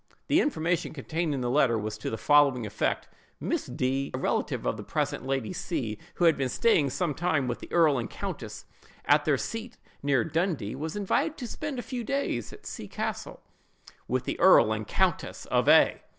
The information contained in the letter was to the following effect:— Miss D——, a relative of the present Lady C——, who had been staying some time with the earl and countess, at their seat near Dundee, was invited to spend a few days at C—— castle, with the earl and countess of A——.